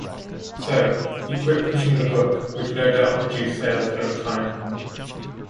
So, he quit pushing the book, which no doubt reduced sales over time.